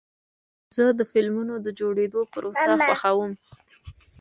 زه د فلمونو د جوړېدو پروسه خوښوم.